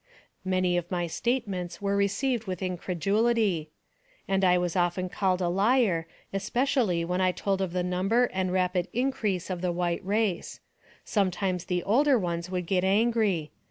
Many of my statements were received with incredulity, and I was often called a liar, especially when I told of the number and rapid increase of the white race; some 190 NARRATIVE OF CAPTIVITY times the older ones would get angry.